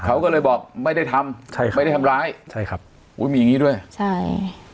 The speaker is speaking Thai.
เขาก็เลยบอกไม่ได้ทำใช่ครับไม่ได้ทำร้ายใช่ครับอุ้ยมีอย่างงี้ด้วยใช่